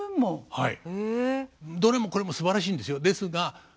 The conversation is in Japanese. はい。